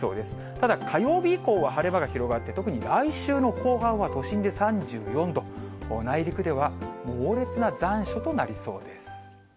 ただ、火曜日以降は晴れ間が広がって、特に来週の後半は、都心で３４度、内陸では猛烈な残暑となりそうです。